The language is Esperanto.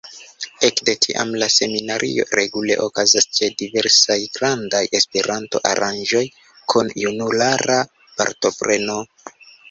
Ekde tiam la seminario regule okazas ĉe diversaj grandaj Esperanto-aranĝoj kun junulara partopreno.